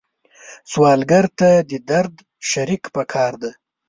سوالګر ته د درد شریک پکار دی